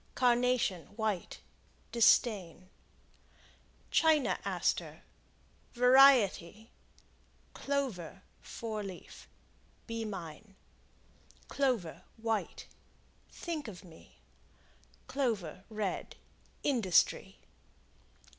Carnation, White Disdain. China Aster Variety. Clover, Four Leaf Be mine. Clover, White Think of me. Clover, Red Industry.